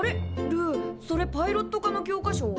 ルーそれパイロット科の教科書？